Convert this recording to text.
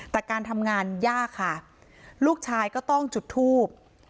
แต่การทำงานยากค่ะลูกชายก็ต้องจุดทูบ